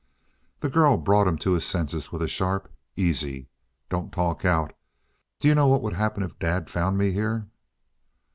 The girl brought him to his senses with a sharp "Easy! Don't talk out. Do you know what'd happen if Dad found me here?"